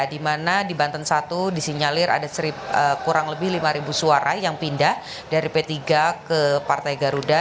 di mana di banten satu disinyalir ada kurang lebih lima suara yang pindah dari p tiga ke partai garuda